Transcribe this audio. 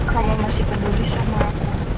kamu masih peduli sama aku